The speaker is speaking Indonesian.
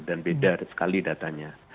dan beda sekali datanya